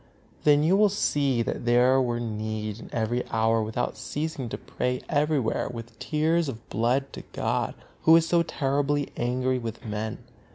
Then you will see that there were need every hour without ceasing to pray everywhere with tears of blood to God, Who is so terribly angry with men.